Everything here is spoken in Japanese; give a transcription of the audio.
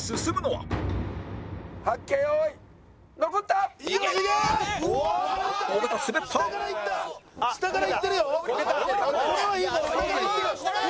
はい！